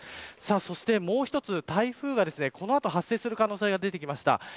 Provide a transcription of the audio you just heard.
そして、もう１つ台風がこの後発生する可能性が出てきました。